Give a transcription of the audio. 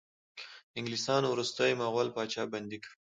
انګلیسانو وروستی مغول پاچا بندي کړ.